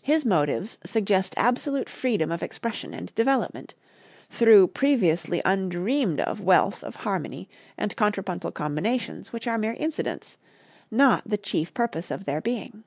His motives suggest absolute freedom of expression and development, through previously undreamed of wealth of harmony and contrapuntal combinations which are mere incidents, not the chief purpose of their being.